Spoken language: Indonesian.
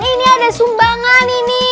ini ada sumbangan ini